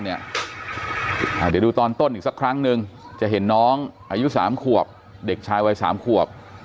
เดี๋ยวดูตอนต้นอีกสักครั้งนึงจะเห็นน้องอายุ๓ขวบเด็กชายวัย๓ขวบ